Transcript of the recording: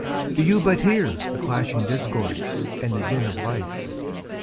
Do you but hear the clashing discords and the din of life?